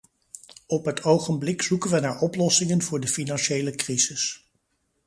Op het ogenblik zoeken we naar oplossingen voor de financiële crisis.